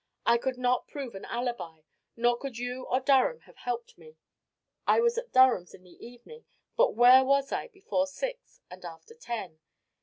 I could not prove an alibi, nor could you or Durham have helped me. I was at Durham's in the evening, but where was I before six and after ten?